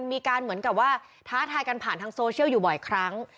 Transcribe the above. เหมือนกับว่าท้าทายกันผ่านทางโซเชียลอยู่บ่อยครั้ง